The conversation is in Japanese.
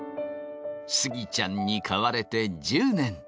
スギちゃんに買われて１０年。